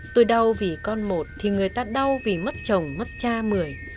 tôi đau vì con một thì người ta đau vì mất chồng mất cha mười